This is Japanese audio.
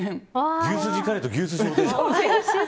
牛すじカレーと牛すじおでん。